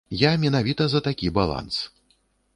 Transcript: Я менавіта за такі баланс.